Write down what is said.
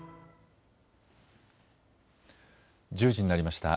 １０時になりました。